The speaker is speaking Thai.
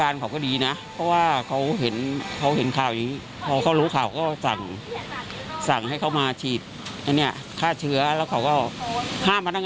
เราก็ต้องรักษาตัวเองต้องป้องกันตัวเอง